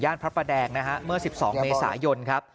ทางด้านพระพระแดงเมื่อ๑๒เมษายน